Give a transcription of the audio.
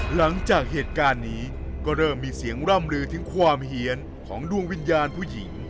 หลังจากเหตุการณ์นี้ก็เริ่มมีเสียงร่ำลือถึงความเฮียนของดวงวิญญาณผู้หญิง